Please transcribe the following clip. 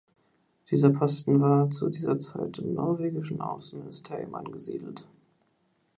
Dieser Posten war zu dieser Zeit im norwegischen Außenministerium angesiedelt.